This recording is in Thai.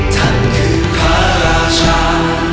ท่านคือข้าราชา